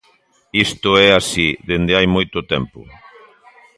Isto é así dende hai moito tempo.